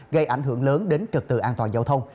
gây ảnh hưởng lớn đến trực tự an toàn giao thông